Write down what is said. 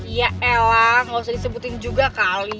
iya elah gak usah disebutin juga kali